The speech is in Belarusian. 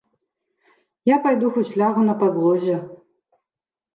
Я пайду хоць лягу на падлозе.